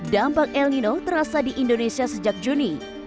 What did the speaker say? dampak el nino terasa di indonesia sejak juni